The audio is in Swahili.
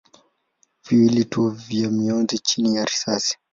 viwili tu vya mionzi chini ya risasi.